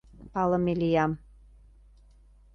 палыме лиям.